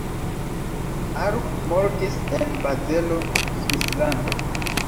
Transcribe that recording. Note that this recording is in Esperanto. Arp mortis en Bazelo, Svislando.